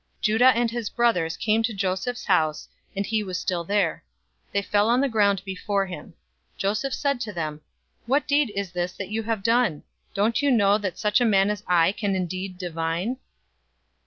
044:014 Judah and his brothers came to Joseph's house, and he was still there. They fell on the ground before him. 044:015 Joseph said to them, "What deed is this that you have done? Don't you know that such a man as I can indeed divine?"